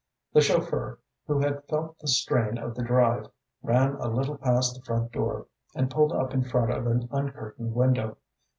The chauffeur, who had felt the strain of the drive, ran a little past the front door and pulled up in front of an uncurtained window.